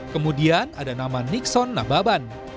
kemudian ada nama nixon nababan